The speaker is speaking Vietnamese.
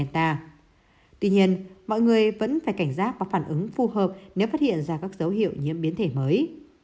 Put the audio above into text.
tuy nhiên mọi người vẫn phải cảnh giác và phản ứng phù hợp nếu phát hiện ra các dấu hiệu nhiễm biến thể mới